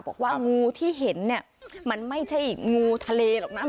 บอกว่างูที่เห็นเนี่ยมันไม่ใช่งูทะเลหรอกนะ